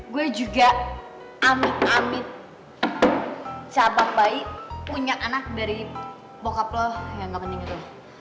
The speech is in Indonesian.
gue juga amit amit cabang bayi punya anak dari bokap lo yang gak penting itu